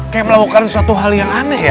kayak melakukan suatu hal yang aneh ya